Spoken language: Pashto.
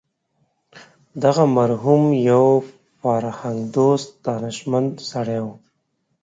دغه مرحوم یو فرهنګ دوست دانشمند سړی و.